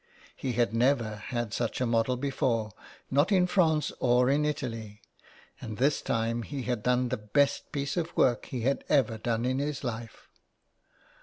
He had never had such a model before, not in France or in Italy, and this time he had done the best piece of work he had ever done in his life.